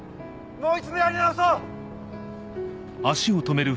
もう一度やり直そう！